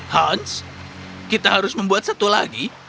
hans kita harus membuat satu lagi